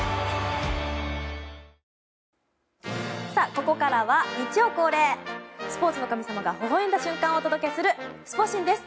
ここからは日曜恒例スポーツの神様がほほ笑んだ瞬間をお届けするスポ神です。